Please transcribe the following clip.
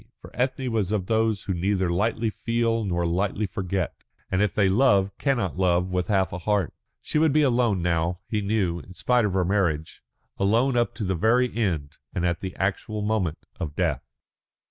For Ethne was of those who neither lightly feel nor lightly forget, and if they love cannot love with half a heart. She would be alone now, he knew, in spite of her marriage, alone up to the very end and at the actual moment of death.